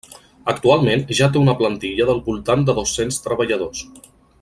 Actualment ja té una plantilla del voltant de dos-cents treballadors.